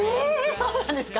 そうなんですか？